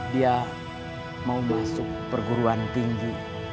dia mau masuk perguruan tinggi